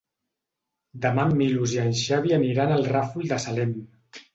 Demà en Milos i en Xavi aniran al Ràfol de Salem.